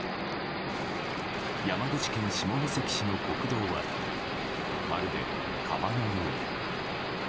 山口県下関市の国道はまるで、川のように。